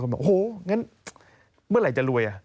คนบอกโหงั้นเมื่อไหร่จะรวยอ่ะ